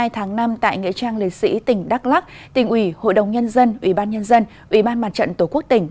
hai mươi tháng năm tại nghệ trang liệt sĩ tỉnh đắk lắc tỉnh ủy hội đồng nhân dân ủy ban nhân dân ủy ban mặt trận tổ quốc tỉnh